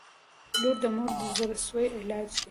• لور د مور د زړسوي علاج دی.